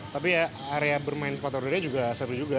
tapi ya area bermain sepatu roda juga seru juga